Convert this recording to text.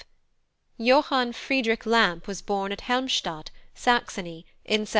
Johann Friedrich Lampe was born at Helmstadt, Saxony, in 1703.